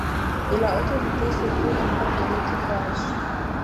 Il a autorité sur tous les membres de l'équipage.